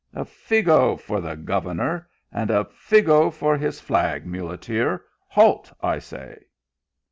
" A fig for the governor, and a fig for his flag. Muleteer, halt, I say."